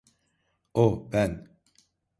Oh, ben…